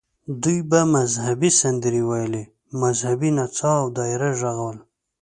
دوی به مذهبي سندرې ویلې، مذهبي نڅا او دایره غږول یې.